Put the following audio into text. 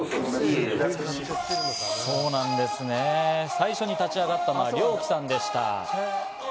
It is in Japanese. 最初に立ち上がったのはリョウキさんでした。